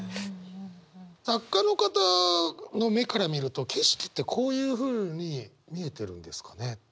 作家の方の目から見ると景色ってこういうふうに見えてるんですかね？